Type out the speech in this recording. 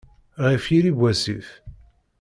Ɣef yiri n wasif.